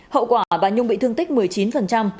hậu quả bà nhung bị thương tích một mươi chín